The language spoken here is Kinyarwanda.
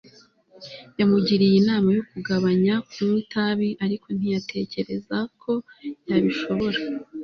Yamugiriye inama yo kugabanya kunywa itabi ariko ntiyatekereza ko yabishobora